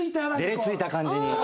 デレついた感じに。